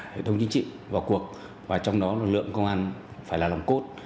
hệ thống chính trị vào cuộc và trong đó lực lượng công an phải là lòng cốt